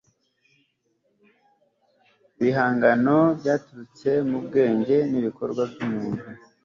ibihangano ibintu byaturutse mu bwenge n'ibikorwa by'umuntu